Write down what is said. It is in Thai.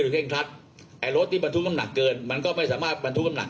เร่งครัดไอ้รถที่บรรทุกน้ำหนักเกินมันก็ไม่สามารถบรรทุกน้ำหนัก